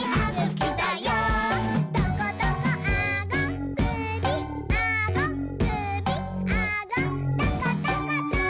「トコトコあごくびあごくびあごトコトコト」